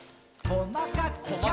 こまかく。